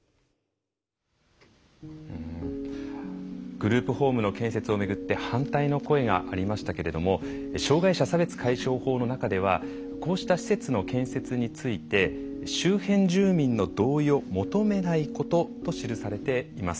グループホームの建設をめぐって反対の声がありましたけれども障害者差別解消法の中ではこうした施設の建設について「周辺住民の同意を求めないこと」と記されています。